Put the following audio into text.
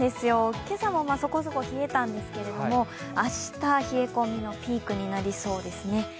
今朝もそこそこ冷えたんですけれども、明日、冷え込みのピークになりそうですね。